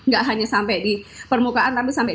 gak hanya sampai di permukaan tapi sampai